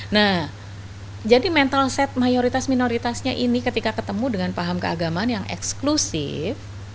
nah jadi mental set mayoritas minoritasnya ini ketika ketemu dengan paham keagamaan yang eksklusif